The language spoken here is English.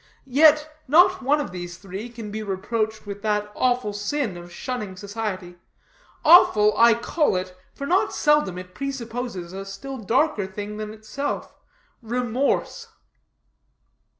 yet not one of the three can be reproached with that awful sin of shunning society; awful I call it, for not seldom it presupposes a still darker thing than itself remorse."